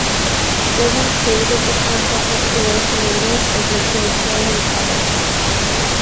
Dillon created the concept of Killer Tomatoes as a short film in college.